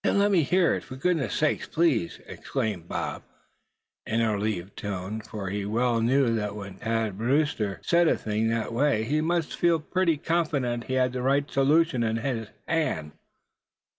"Then let me hear it, for goodness sake, please!" exclaimed the other, in a relieved tone; for he well knew that when Thad Brewster said a thing that way, he must feel pretty confident he had the right solution in hand.